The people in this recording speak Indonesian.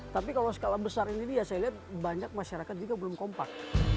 tapi kalau skala besar ini ya saya lihat banyak masyarakat juga belum kompak